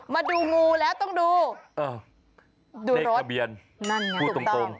มาดูงูแล้วต้องดูดูรถพูดตรง